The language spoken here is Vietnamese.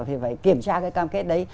phải kiểm tra cái cam kết đấy